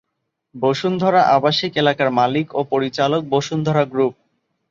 বসুন্ধরা আবাসিক এলাকার মালিক ও পরিচালক বসুন্ধরা গ্রুপ।